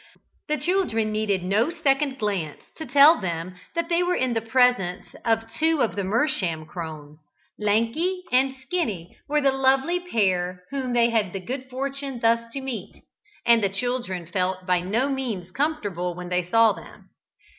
The children needed no second glance to tell them that they were in the presence of two of the Mersham crone. "Lanky" and "Skinny" were the lovely pair whom they had the good fortune thus to meet, and the children felt by no means comfortable when they saw them.